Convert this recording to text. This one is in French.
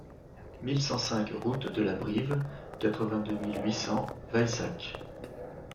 mille cent cinq route de la Brive, quatre-vingt-deux mille huit cents Vaïssac